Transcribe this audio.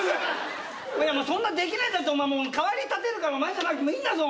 そんなできないんだったら代わり立てるからお前じゃなくてもいいんだぞ。